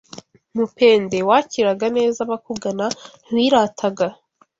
Mupende wakiraga neza abakugana, ntiwirataga